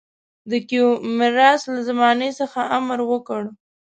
د کیومرث له زمانې څخه امر وکړ.